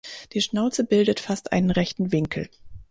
Die Schnauze bildet fast einen rechten Winkel.